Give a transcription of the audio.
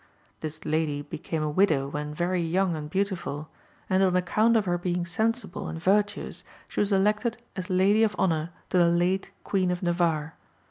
"This lady became a widow when very young and beautiful, and on account of her being sensible and virtuous she was elected as lady of honour to the late Queen of Navarre.